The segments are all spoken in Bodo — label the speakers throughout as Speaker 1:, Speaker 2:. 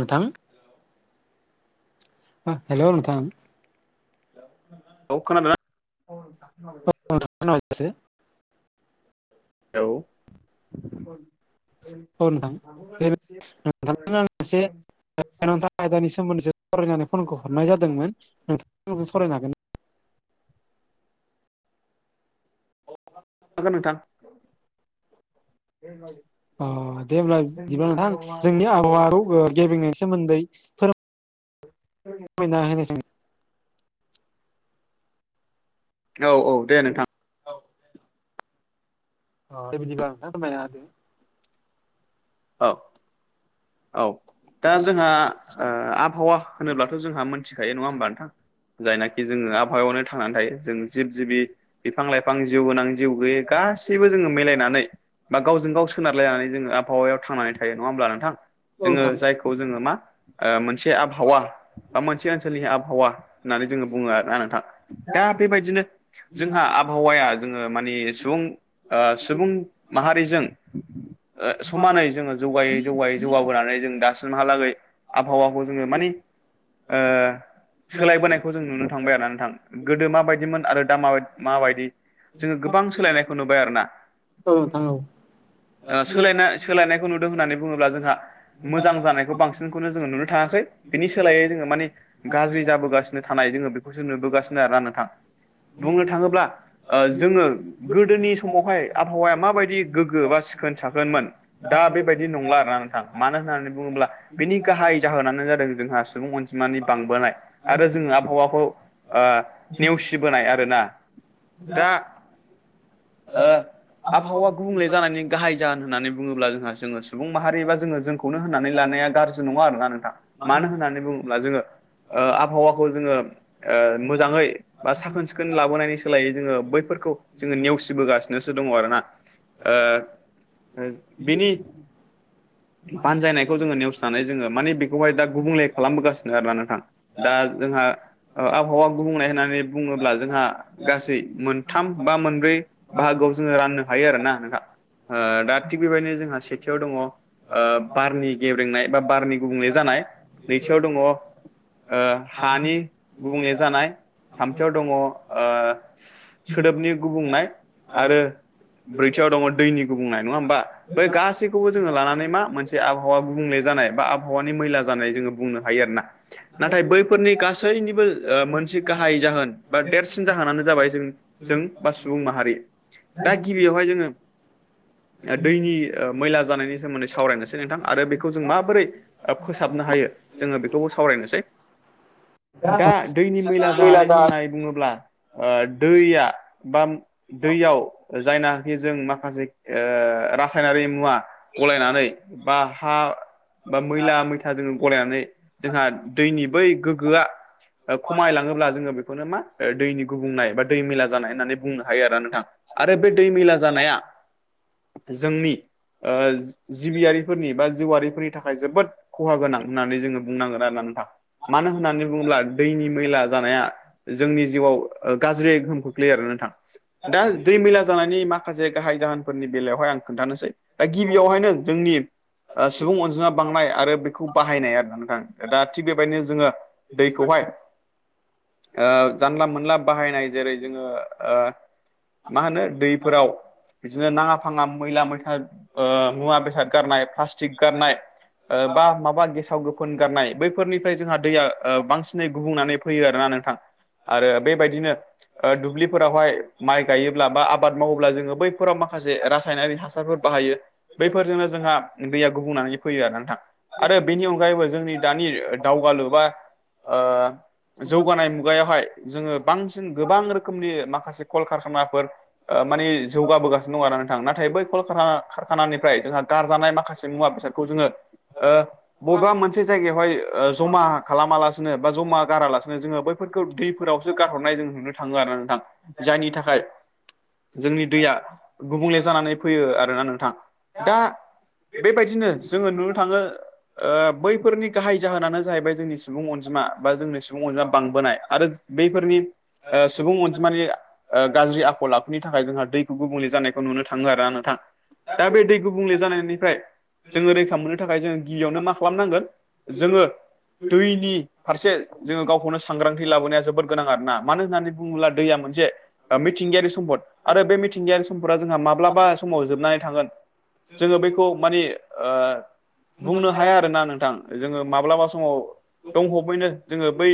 Speaker 1: नोंथां हेल' नोंथां
Speaker 2: औ खोनादोंना? औ नंगौ
Speaker 1: ‌ [unintelligible]
Speaker 2: औ
Speaker 1: औ नोंथां दे नोंथां आंनो एसे औ नोंथां मोनसे आयदानि सोमोन्दैसो सरायनानै फनखौ हरनाय जादोंमोन नोंथां आंजों सरायनो हागोन ना?
Speaker 2: हागोन नोंथा [unintelligible]
Speaker 1: अ दे होमब्लाा बिदिब्ला नोंथां जोंनि आबो औ गेबेंनायनि सोमोन्दै फोरों
Speaker 2: आंबो।
Speaker 1: [inaudible]
Speaker 2: औ औ दे नोंथां।
Speaker 1: औ औ दे बिदिब्ला नोंथां।
Speaker 2: औ औ दा जोंहा ओ आबहावा होनोब्लाथ' जोंहा मोनथिखायो नङा होमबा नोंथां? जायनाखि जोङो आबहावायावनो थांनानै थायो जों जिब जिबि बिफां लाइफां जिउ गोनां जिउ गैयै गासैबो जोङो मिलायनानै बा गावजों गाव सोनारलायनानै जोङो आबहावायाव थांनानै थायो नङा होमब्ला नोंथां
Speaker 1: औ नोंथां
Speaker 2: जोतक्षथेऊऔङो जाय खौ जोङो मा आ मोनसे आबहावा बा मोनसे ओनसोलनि आबहावा होननानै जोङो बुङो आरो नोंथां दा बेबायदिनो जोंहा आबहावाया जोङो मानिे सुबुं आ सुबुं माहारिजों समानै जोङो जौगायै जौगायै जौगाबोनानै जों दासिमहालागै आबहावाखौ जोङो मानि ओ सोलायबोनायखौ जों नुनो थांबाय आरो नोंथां गोदो माबायदिमोन आरो दा मा माबायदि जोङो गोबां सोलायनायखौ नुबाय आरो ना
Speaker 1: औ नोंथां औ
Speaker 2: सोलायनाय सोलायनायखौ नुदों होननानै बुङोब्ला जोंहा मोजां जानायखौ बांसिनखौनो जोङो नुनो थाङाखै बिनि सोलायै जोङो माने गाज्रि जाबोगासिनो थानाय जोङो बे नुबोगासिनो आरो नोंथां बुंनो थाङोब्ला जोङो गोदोनि समावहाय आबहावाया माबायदि गोग्गो बा सिखोन साखोनमोन दा बेबायदि नंला आरोना नोंथां मानो होननानै बुङोब्ला बेनि गाहाय जाहोनानो जादों जोंहा सुबुं अन मानि बांबोनाय आरो जोङो आबहावाखौ नेवसिबोनाय आरोना दा आबहावा गुबुंले जानानै गाहाय जागोन होन्नानै बुङोब्ला जोंहा जोङो सुबुं माहारिबा जोङो जोंखौनो होननानै लानाया गाज्रि नङा आरोना नोंथां मानो होननानै बुङोब्ला जोङो ओ आबहावा ओ जोङो मोजाङै बा साखोन सिखोन लाबोनायनि सा सोलायै जोङो बैफोरखौ जोङो नेवसिबोगासिनोसो दङ आरोना बिनि बानजायनायखौ जोङो नेवसनानै जोङो माने बेखौहाय दा गुबुंले खालामबोगासिनो आरोना नोंथां दा जोंहा आबहावा गुबुंनाय होननानै बुङोब्ला जोंहा गासै मोन थाम बा मोनब्रै बाहागोआव जोङो राननो हायो आरोना नों दा थिग बेबायदिनो जोंहा सेथियाव दङ ओ बारनि गेब्रेंनाय बा बारनि गुबुंले जानाय नैथियाव दङ हानि गुबुंले जानाय थामथियाव दङ ओ सोदोबनि गुबुंनाय आरो ब्रैथियाव दङ दैनि गुबुंनाय नङा होमबा बै गासैखौबो जोङो लानानै मा मोनसे आबहावा गुबुंले जानाय बा आबहावानि मैला जानाय जोङो बुंनो हायो आरोना नाथाय बैफोरनि गासैनिबो मोनसे गाहाय जाहोन बा देरसिन जाहोनानो जाबाय जोंनि जों बा सुबुं माहारि दा गिबियावहाय जोङो दैनि मैला जानायनि सोमोन्दै सावरायनोसै नोंथां आरो बेखौ जों माबोरै फोसाबनो हायो जोङो बेखौबो सावरायनोसै
Speaker 1: औ
Speaker 2: दा दैनि मैला जानानै होननाय बुङोब्ला ओ दैया बा दैयाव जायनाखि जों माखासे ओ ओ रासायनारि मुवा गलायनानै बा हा बा मैला मैथा जों गलायनानै जोंहा दैनि बै गोग्गोआ खमायलाङोब्ला जोङो बेखौनो मा दैनि गुबुंनाय बा दै मैला जानाय होननानै बुंनो हायो आरो नोंथां आरो बे दै मैला जानाया जोंनि जिबियारिफोरनि बा जिउआरिफोरनि थाखाय जोबोद खहा गोनां होननानै जोङो बुंनांगोन आरो ना नोंथां मानो होननानै बुङोब्ला दैनि मैला जानाया जोंनि जिउआव गाज्रि गोहोम खोख्लैयो आरो नोंथां दा दै मैला जानायनि माखासे गाहाय जाहोनफोरनि बेयावहाय आं खोन्थानोसै दा गिबियावहायनो जोंनि सुबुं अनजिमा बांनाय आरो बेखौ बाहायनाय आरो नोंथां दा थिग बेबायदिनो जोङो दैखौहाय ओ जानला मोनला बाहायनाय जेरै जोङो ओ मा होनो दैफोराव बिदिनो नाङा फाङा मैला मैथा ओ मुवा बेसाद गारनाय प्लासटिक गारनाय बा माबा गेसाव गोफोन गारनाय बैफोरनिफ्राय जोंहा दैया बांसिनै गुबुंनानै फैयो आरोना नोंथां। आरो बेबायदिनो ओ दुब्लिफोरावहाय माइ गायोब्ला बा आबाद मावोब्ला जोङो बैफोराव माखासे जे रासायनारि हासारफोर बाहायो बैफोरजोंनो जोंहा दैया गुबुंनानै फैयो आरोना नोंथां। आरो बेनि अनगायैबो जोंनि दानि दावगालु बा ओ जौगानाय मुगायावहाय जोङो बांसिन गोबां रोखोमनि माखासे कल खारखानाफोर ओ माने जौगाबोगासिनो दं आरोना नोंथां नाथाय बै कलकारा खारखानानिफ्राय जोंहा गारजानाय माखासे मुवा बेसादखौ जोङो ओ बबेबा जायगायावाय ओ जमा खालामालासिनो बा जमा गालासिनो जोङो बैफोरखौ दैफोरावसो गारहरनाय जों नुनो थाङो आरोना नोंथां जायनि थाखाय जोंनि दैया गुबुंले जानानै फैयो आरोना नोंथां। दा बेबायदिनो जोङो नुनो थाङो ओ बैफोरनि गाहाय जाहोनानो जाहैबाय जोंनि सुबुं अनजिमा बा जोंनि सुबुं अनजिमा बांबोनाय आरो बैफोरनि ओ सुबुं अनजिमानि ओ गाज्रि आखल आखु नि थाखाय जोंहा दैखौ गुबुंले जानायखौ नुनो थाङो आरोना नोंथां। दा बे दै गुबुंले जानायनिफ्राय जोङो रैखा मोननो थाखाय जोङो गिबियावनो मा खालामनांगोन जोङो दैनि फारसे जोङो गावखौनो सांग्रांथि लाबोनाया जोबोद गोनां आरो ना। मानो होननानै बुङोब्ला दैया मोनसे मिथिंगायारि सम्पद आरो बे [unintelligible] समफोरा जोंहा माब्लाबा समाव जोबनानै थागोन जोङो बैखौ माने ओ बुंनो हाया आरोना नोंथां जोङो माब्लाबा समाव [unintelligible] जोङो बै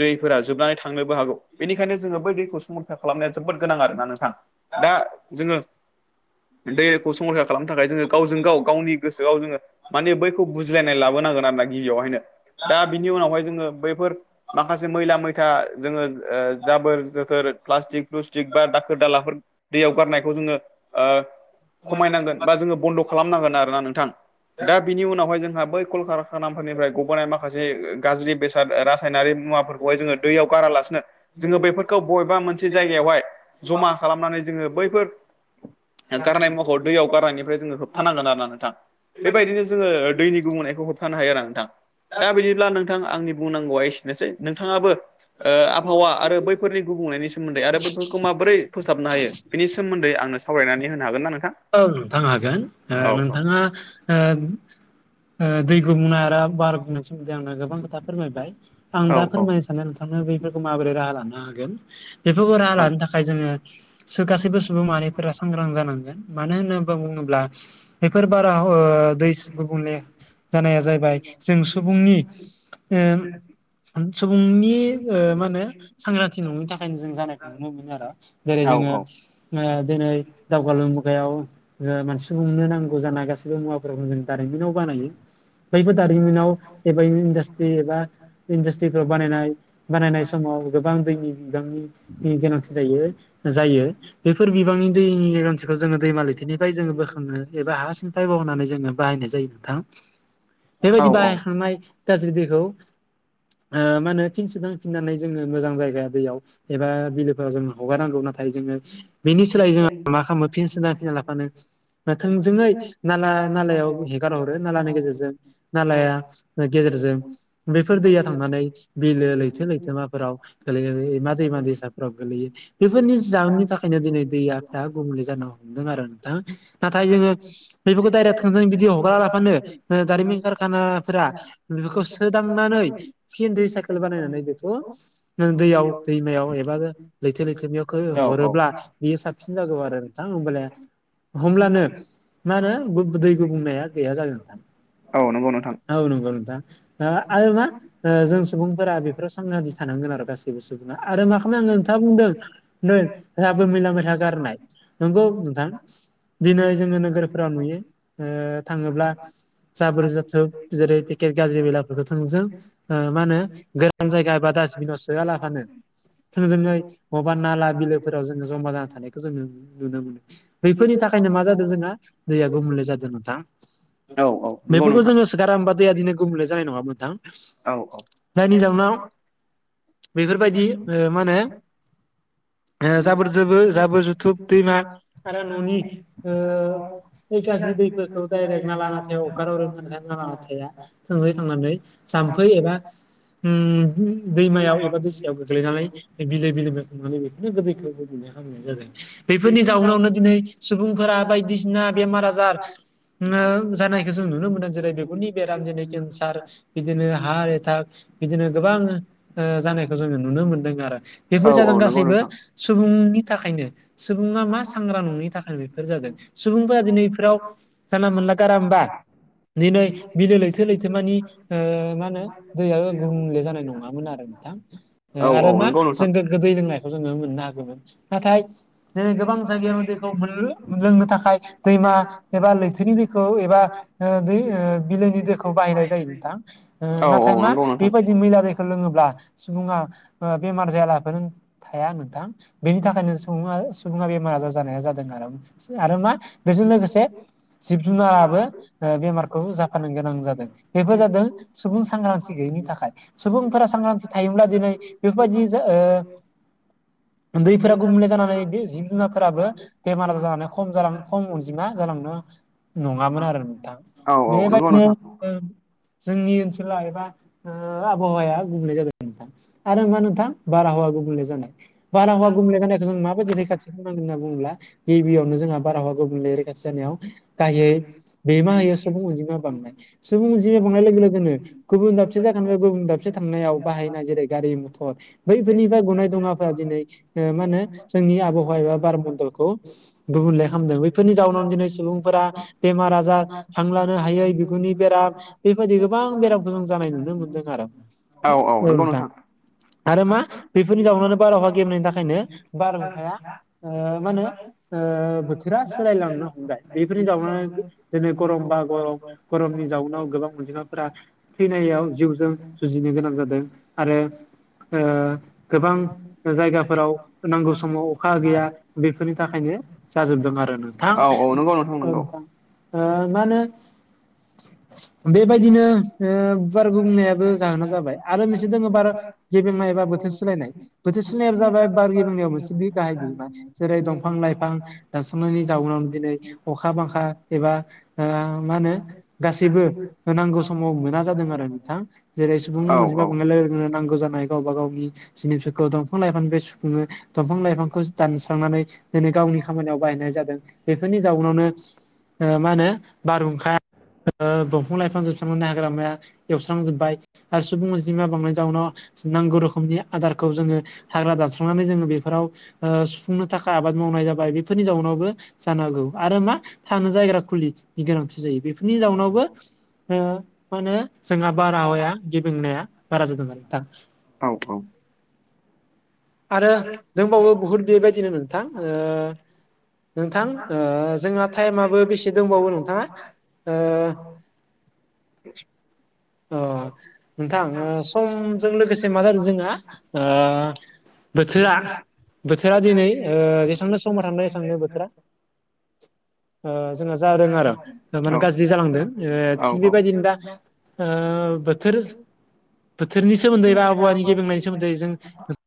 Speaker 2: दैफोरा जोबनानै थांनोबो हागौ। बेनिखायनो जोङो बै दैखौ संरैखा खालामनाया जोबोद गोनां आरोना नोंथां। दा जोङो दैखौ संरखा खालामनो थाखाय जोङो गावजों गाव गावनि गोसोआव जोङो माने बैखौ बुजिलायनाय लाबोनांगोन आरो ना गिबियावहायनो दा बिनि उनावहाय जोङो बैफोर माखासे मैला मैथा जोङो जाबोर जोथोर प्लास्टिक प्लुस्टिक बा दालाफोर दैयाव गारनायखौ जोङो ओ खमायनांगोन बा जोङो बन्द' खालामनांगोन आरोना नोंथां। दा बिनि उनावहाय जोंहा बै कल कारखानाफोरनिफ्राय गबोनाय माखासे गाज्रि बेसाद रासायनारि मुवाफोरखौ खौहाय जोङो दैयाव गारालासिनो जोङो बेफोरखौ बबेबा मोनसे जायगायावहाय जमा खालामनानै जोङो बैफोर गारनाय महर दैयाव गारनायनिफ्राय जोङो होबथानांगोन आरोना नोंथां बेबायदिनो जोङो दैनि गुबुंनायखौ खानो हायो आरों नोंथां दा बिदिब्ला नोंथां आंनि बुंनांगौआ एसेनोसै नोंथाङाबो ओ आबहावा आरो बैफोरनि गुबुंनायनि सोमोन्दै आरो बैफोरखौ माबोरै फोसाबनो हायो बिनि सोमोन्दै आंनो सावरायनानै होन हागोन ना नोंथां?
Speaker 1: औ नोंथां हागोन ओ
Speaker 2: औ
Speaker 1: नोंथाङा ओ ओ दै गुबुंनाय आरो बार गुबुंनाय सोमोन्दै आंनो गोबां खोथा फोरमायबाय। आं
Speaker 2: औ
Speaker 1: दा फोरमाय नोंथां बैफोरखौ माबोरै राहा लानो हागोन। बेफोरखौ राहा
Speaker 2: औ
Speaker 1: लानो थाखाय जोङो गासैबो सुबुं माहारिफोरा सांग्रां जानांगोन। मानो होनो बा बुङोब्ला बेफोर बारा ओ दै गुबुंले जानाया जाहैबाय जों सुबुंनि उम सुबुंनि ओ मा होनो सांग्रांथि नङिनि थाखायनो जों जानायखौ नुनो मोनो आरो। जेरै
Speaker 2: औ
Speaker 1: जोङो ओ दिनै दावगालु औ ओ मानसे मोननै नांगौ जानाय गासैबो मुवाफोरखौ जों दारिमिनाव बानायो। बैबो दारिमिनाव एबाय इन्डासट्रि एबा इन्डास्ट्रिफोराव बानायनाय बानायनाय समाव गोबां दैनि बिबांनि गोनांथि जायो जायो बेफोर बिबांनि दैनि गोनांथि खौ जोङो दैमा लैथोनिफ्राय जोङो बोखांनो एबा हाासनिफ्राय बहनानै जोङो बाहायनाय जायो नोंथां बेबायदि
Speaker 2: औ
Speaker 1: बाहायखांनाय गाज्रि दैखौ ओ मा होनो फिन सोदांफिननानै जोङो मोजां जायगा दैयाव एबा बिलोफोराव जों हगारनांगौ नाथाय जोङो बेनि सोलाय जोङो मा खालामो थिना फिना लाफानो थोंजोङै नाला नालायाव हेगार हरो नालानि गेजेरजों। नालाया ओ गेजेरजों बेफोर दैया थांनानै बिलो लैथो लैथोमाफोराव गोलैहैय मा एबा दैमा दैसाफ्राव गोलैयो। बेफोरनि जाहोननि थाखायनो दिनै दैयाफ्रा गुबुंले जानो हमदों आरो नोंथां। नाथाय जोङो बेफोरखौ डाइरेक थोंजोङै बिदि हगारा लाफानो ओ दारिमिन खारखानाफोरा बेफोरखौ सोदांनानै फिन दै साइकेल बानायनानै बेखौ नों दैयाव दैमायाव एबा लैथो लैथोरमायाव खो
Speaker 2: औ
Speaker 1: हरोब्ला
Speaker 2: औ
Speaker 1: बेयो साबसिन जागौ आरो थां होमबाला होमब्लानो मा होनो बो दै गुबुंनाया गैया जागोन नोंथां।
Speaker 2: औ नंगौ नोंथां।
Speaker 1: औ नंगौ नोंथां। ओ आरो मा ओ जों सुबुंफोरा बेफोराव सांग्रांथि थानांगोन आरो गासैबो सुबुङा। आरो मा खालामनो नांगौ नोंथाङा बुंदों नो राबो मैला मैथा गारनाय नंगौ नोंथां दिनै जोङो नोगोरफोराव नुयो ओ थाङोब्ला जाबोर जाथोब जेरै पेकेट गाज्रि मैलाफोरखौ थोंजों ओ मा होनो गो रान जायगा एबा दासबिनाव सोया लाबानो थोंजोङै मबबा नाला बिलोफोराव जोङो ज'मा जाना थानायखौ बैफोरनि थाखायनो मा जादों जोंहा दैया गुबुंले जादों नोंथां।
Speaker 2: औ औ नंगौ
Speaker 1: बेफोरखौ
Speaker 2: नोंथां
Speaker 1: जोङो सो गारामोनबा दैया दिनै गुबुंले जानाय नङामोन नोंथां।
Speaker 2: औ औ
Speaker 1: जायनि जाउनाव बेफोरबायदि ओ मा होनो ओ जाबोर जोबो जाबोर जुथुब मा आरो न'नि ओ बै गाज्रि दैफोरखौ डायरेक्ट नाला नाथायाव हगार हरो [unintelligible] नाला नाथाया थाङै थांनानै जाम्फै एबा उम दैमायाव एबा दैसायाव गोग्लैनानै बिलो बिलोमा माने बेखौनो गो दैखौ गुबुंले खामनाय जादों। बैफोरनि जाउनावनो दिनै सुबुंफोरा बायदिसिना बेमार आजार ओ जानायखो जों नुनो मोनदों। जेरै बिगुरनि बेराम, दिनै केन्सार बिदिनो हार्ट एटाक बिदिनो गोबां ओ जानायखौ जोङो नुनो मोनदों आरो। बेफोर
Speaker 2: औ औ
Speaker 1: जागोन
Speaker 2: नंगौ
Speaker 1: गासैबो
Speaker 2: नोंथां
Speaker 1: सुबुंनि थाखायनो सुबुङा मा सांग्रां नङैनि थाखाय बेफोर जादों। सुबुंफोरा दिनै एफोराव जानला मोनला गारा मोमबा दिनै बिलो लैथो लैथोमानि ओ मा होनो दैया गुबुंले जानाय नङामोन आरो नोंथां।
Speaker 2: औ
Speaker 1: ओ
Speaker 2: औ
Speaker 1: आरो मा
Speaker 2: नंगौ नोंथां
Speaker 1: जों गोग्गो दैै लोंनायखौ जोङो मोननो हागौमोन। नाथाय दिनै गोबां जायगायावनो दैखौ मोननो मोनलोंनो थाखाय दैमा एबा लैथोनि दैखौ एबा ओ दै ओ बिलोनि दैखौ बाहायनाय जायो नोंथां। ओ
Speaker 2: औ औ
Speaker 1: नाथाय मा
Speaker 2: नंगौ नोंथां
Speaker 1: बेबायदि मैला दैखौ लोङोब्ला सुबुङा ओ बेमार जायालाफानो थाया नोंथां। बेनि थाखायनो सुङा सुबुङा बेमार आजार जानाया जादों आरो। आरो मा बेजों लोगोसे जिब जुनाराबो ओ बेमारखौ जाफानो गोनां जादों। बेफोर जादों सुबुं सांग्रांथि गैयिनि थाखाय सुबुंफोरा सांग्रांथि थायोब्ला दिनै बेफोरबायदि जा ओ ओ दैफोरा गुबुंले जानानै बे जिब जुनारफोराबो बेमार आजार जानानै खम जालां खम बिमा जालांनो नङामोन आरो नोंथां।
Speaker 2: औ औ नंगौ
Speaker 1: बेबायदिनो
Speaker 2: नोंथां
Speaker 1: ओ जोंनि ओनसोला एबा ओ आबहावाया गुबुंले जादों नोंथां। आरो मा नोंथां बारहावा गुबुंले जानाय बारहावा गुबुंले जानायखौ जों माबायदि रैखाथि एम्फौ नांदों होनना बुङोब्ला गिबियावनो जोंहा बारहावा गुबुंले रैखाथि जानायाव गायै बे मा एसे सुबुं अनजिमा बांनाय। सुबुं अनजिमा बांनाय लोगो लोगोनो गुबुन दाबसे जायगानिफ्राय बा गुबुन दाबसे थांनायाव बाहायनाय जेरै गारि मथर बैफोरनिफ्राय गनाय दुङाफ्रा दिनै ओ मा होनो जोंनि आबहावा वा एबा बार मण्डलखौ गुबुंले खालामदों। बैफोरनि जाउनावनो दिनै सुबुंफोरा बेमार आजार हां लानो हायै बिगुरनि बेराम बेबायदि गोबां बेरामखौ जों जानाय नुनो मोनदों। आरो
Speaker 2: औ औ नोंगौ नोंथां।
Speaker 1: आरो मा बेफोरनि जाउनावानो बारहावा गेबेंनायनि थाखायनो बार हुंखाया ओ मा होनो ओ बोथोरा सोलायलांनो हमबाय। बिफ फोरनि जाउनावनो दिनै गरम बा गरम गरमनि जाउनाव गोबां अनजिमाफोरा थैनायाव जिउजों जुजिनो गोनां जादों आरो ओ गोबां जायगाफोराव नांगौ समाव अखा गैया बेफोरनि थाखायनो जाजोबदों आरो नोंथां।
Speaker 2: औ औ नंगौ
Speaker 1: औ
Speaker 2: नंगौ
Speaker 1: नोंथां ओ मा होनो बेबायदिनो ओ बार गुबुंनायाबो जाहोना जाबाय, आरो मोनसे दोङो बार गेबेंनाय एबा बोथोर सोलायनाय। बोथोर सिलायनाय जाबाय बार गेबेंनायाबोसो बि [unintelligible] [unintelligible] जेरै दंफां लाइफां दानस्रांनायनि जाउनाव दिनै अखा बांखा एबा [unintelligible] नांगौ समाव मोना जादों आरो नोंथां। जेरै सुबुं
Speaker 2: औ
Speaker 1: उनजिमा
Speaker 2: औ
Speaker 1: बांनाय लोगो लोगोनो नांगौ जानाय गावबा गावनि जिनिसफोरखौ दंफां लाईफांनिफ्राय सुफुङो दंफां लाइफां खौस दानस्रांनानै दिनै गावनि खामानियाव बाहायनाय जादों। बेफोरनि जाउनावनो ओ मा होनो बारहुंखा ओ दंफां लाइफां जोबस्रांनानै हाग्रामाया एवस्रांजोबाय आरो सुबुं अजिमाया बांनाय जाउनाव नांगौ रोखोमनि आदारखौ जोङो हाग्रा दानस्रांनानै जोङो बेफोराव ओ सुफुंनो थाखाय आबाद मावनाय जाबाय। बेफोरनि जाउनावबो जानांगौ आरो मा थानो जायग्रा खुलि गोनांथि जायो। बेफोरनि जाउनावबो ओ मा होनो जोंना बारहावाया गिब्रेंनाया बारा जादों आरो नोंथां।
Speaker 2: औ औ।
Speaker 1: आरो दोंबावो बुहुद बेबायदिनो नोंथां ओ नोंथां ओ जोंना टाइमाबो बेसे दंबावो नोंथाङा, ओ
Speaker 2: [inaudible]
Speaker 1: औ नोंथां ओ समजों लोगोसे मा जादों जोंहा ओ बोथोरा बोथोरा दिनै ओ जेसेबांनो समा थांदों जेसेबांनो बोथोरा [inaudible] ओ जोंहा जादों आरो माने गाज्रि ओ जालांदों
Speaker 2: औ
Speaker 1: थिग
Speaker 2: औ
Speaker 1: बेबायदिनो दा ओ बोथोर बोथोरनि सोमोन्दै बा आबहावानि गेब्रेंनायनि सोमोन्दै जों